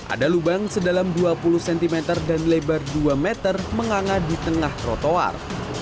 ada lubang sedalam dua puluh cm dan lebar dua meter menganga di tengah trotoar